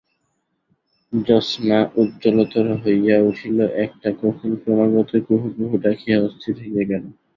জ্যোৎস্না উজ্জ্বলতর হইয়া উঠিল, একটা কোকিল ক্রমাগতই কুহু কুহু ডাকিয়া অস্থির হইয়া গেল।